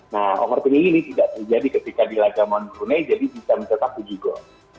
nah overthering ini tidak terjadi ketika di laga mon brunei jadi bisa mencetak uji gol